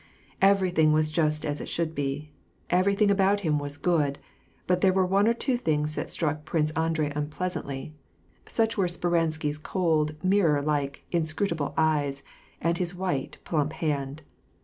Everything was just as it should be, everything about him was good ; but there were one or two things that struck Prince Andrei unpleasantly : such were Speransky 's cold, mirror like, inscrutable eyes, and his white, plump hand.